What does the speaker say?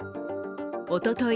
おととい